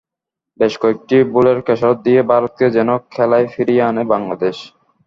বেশ কয়েকটি ভুলের খেসারত দিয়ে ভারতকে যেন খেলায় ফিরিয়ে আনে বাংলাদেশই।